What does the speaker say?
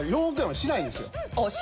しないんですか？